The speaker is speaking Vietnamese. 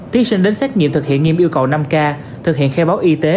thí sinh đến xét nghiệm thực hiện nghiêm yêu cầu năm k thực hiện khai báo y tế